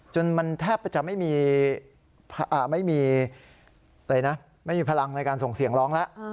จนมันแทบจะไม่มีพลังในการส่งเสียงร้องแล้ว